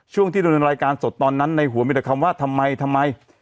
ช่วงที่ดำเนินรายการสดตอนนั้นในหัวมีแต่คำว่าทำไมทำไม